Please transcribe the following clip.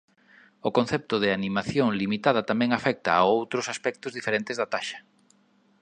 O concepto de animación limitada tamén afecta a outros aspectos diferentes da taxa.